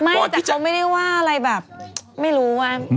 ไม่แต่เขาไม่ได้ว่าอะไรแบบไม่รู้ว่า